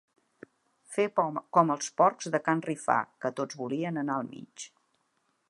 Fer com els porcs de can Rifà, que tots volien anar al mig.